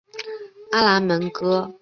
阿拉门戈。